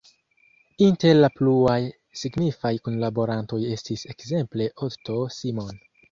Inter la pluaj signifaj kunlaborantoj estis ekzemple Otto Simon.